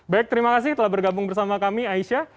baik terima kasih telah bergabung bersama kami aisyah